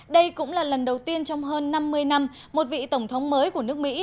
đây cũng là lần đầu tiên trong hơn năm mươi năm một vị tổng thống mới của nước mỹ